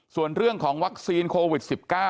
ส่วนเรื่องของวัคซีนโควิด๑๙